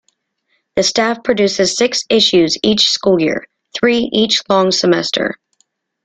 The staff produces six issues each school year, three each long semester.